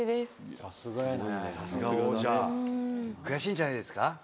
悔しいんじゃないですか？